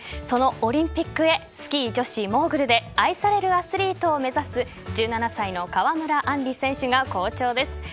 そのオリンピックへスキー女子モーグルで愛されるアスリートを目指す１７歳の川村あんり選手が好調です。